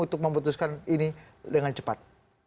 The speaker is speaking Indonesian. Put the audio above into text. untuk memutuskan ini dengan cepat